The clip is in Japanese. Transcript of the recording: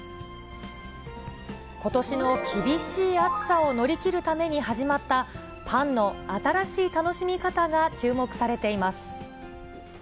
ことしの厳しい暑さを乗り切るために始まった、パンの新しい楽しみ方が注目されています。